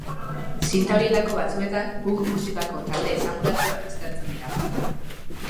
Zinta horietako batzuetan punk musikako talde esanguratsuak aztertzen dira.